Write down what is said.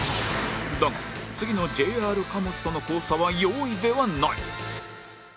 だが次の ＪＲ 貨物との交差は容易ではない